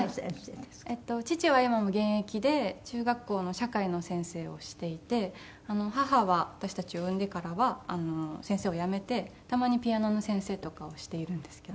父は今も現役で中学校の社会の先生をしていて母は私たちを産んでからは先生を辞めてたまにピアノの先生とかをしているんですけど。